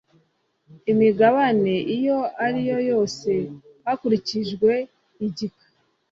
imigabane iyo ariyo yose hakurikijwe igika